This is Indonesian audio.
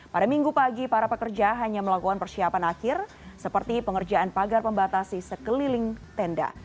pada minggu pagi para pekerja hanya melakukan persiapan akhir seperti pengerjaan pagar pembatasi sekeliling tenda